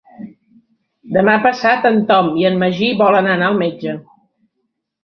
Demà passat en Tom i en Magí volen anar al metge.